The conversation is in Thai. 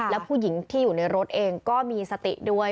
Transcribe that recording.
แล้วผู้หญิงที่อยู่ในรถเองก็มีสติด้วย